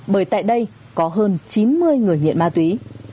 bởi tại đây có hơn chín mươi người nghiện ma túy